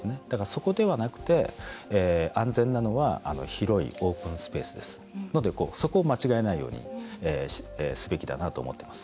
そこではなくて、安全なのは広いオープンスペースですのでそこを間違えないようにすべきだなと思っています。